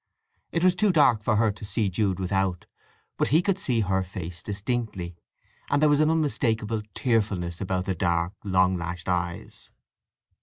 It was too dark for her to see Jude without, but he could see her face distinctly, and there was an unmistakable tearfulness about the dark, long lashed eyes.